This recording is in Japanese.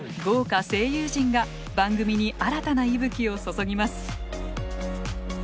豪華声優陣が番組に新たな息吹を注ぎます。